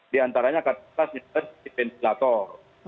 diantaranya kata kata seperti ventilator